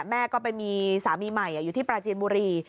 แม่ก็ไปมีสามีใหม่อยู่ที่ปราจีนบุรี